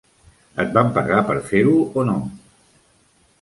Et van pagar per fer-ho o no?